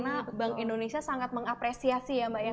karena bank indonesia sangat mengapresiasi ya mbak ya